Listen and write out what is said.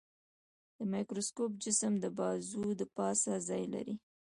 د مایکروسکوپ جسم د بازو د پاسه ځای لري.